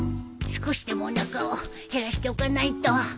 少しでもおなかを減らしておかないと。